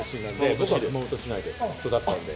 僕は熊本市で育ったんで。